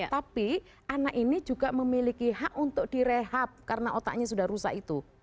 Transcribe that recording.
tapi anak ini juga memiliki hak untuk direhab karena otaknya sudah rusak itu